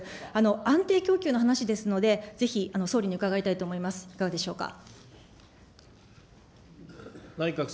安定供給の話ですので、ぜひ総理に伺いたいと思います、いかがでしょうか。